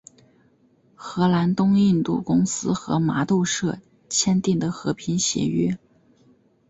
荷兰东印度公司和麻豆社签订的和平协约。